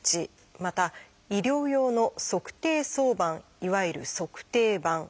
また医療用の「足底挿板」いわゆる「足底板」。